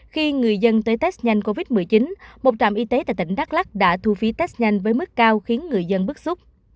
khi người dân tới test nhanh covid một mươi chín một trạm y tế tại tỉnh đắk lắc đã thu phí test nhanh với mức cao khiến người dân bức xúc